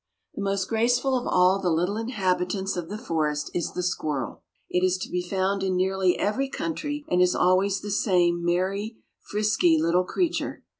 The most graceful of all the little inhabitants of the forest is the squirrel. It is to be found in nearly every country, and is always the same merry, frisky little creature.